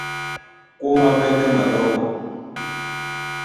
Kómá pɛ́tɛ́ malɔ́kɔ.